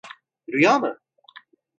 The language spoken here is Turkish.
Rüya mı?